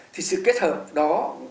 thì sự kết hợp đó